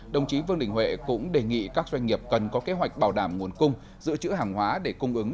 đồng chí vương đình huệ cũng đề nghị các doanh nghiệp cần có kế hoạch bảo đảm nguồn cung giữ chữ hàng hóa để cung ứng